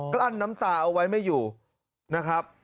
ลั้นน้ำตาเอาไว้ไม่อยู่นะครับ